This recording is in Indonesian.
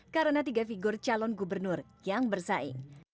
karena tiga figur calon gubernur yang bersaing